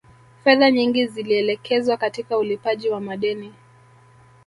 Fedha nyingi zilielekezwa katika ulipaji wa madeni